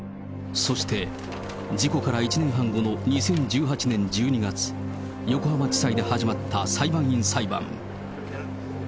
そして事故から１年半後の２０１８年１２月、横浜地裁で始まった裁判員裁判。